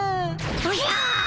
おじゃ！